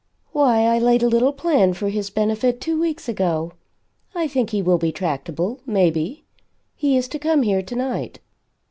"Why I laid a little plan for his benefit two weeks ago. I think he will be tractable, maybe. He is to come here tonight."